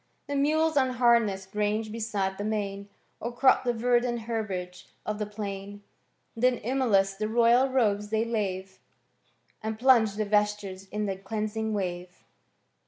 The mules nnhamess'd range beside the main. Or crop the verdant herbage of the plain. Then emulous the royal robes they Iwne, And plunge the vestures in the deanshig ware.